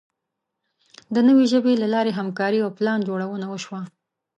د نوې ژبې له لارې همکاري او پلانجوړونه وشوه.